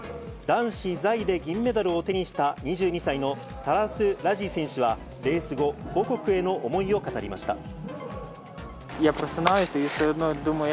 男子座位で銀メダルを手にした、２２歳のタラス・ラジ選手は、レース後、母国への思いを語りました。